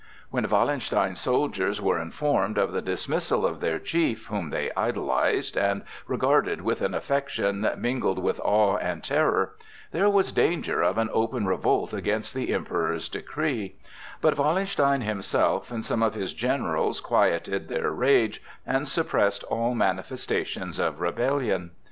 When Wallenstein's soldiers were informed of the dismissal of their chief, whom they idolized and regarded with an affection mingled with awe and terror, there was danger of an open revolt against the Emperor's decree; but Wallenstein himself and some of his generals quieted their rage and suppressed all manifestations of rebellion.